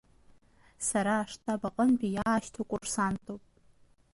Сара аштаб аҟынтәи иаашьҭу курсантуп!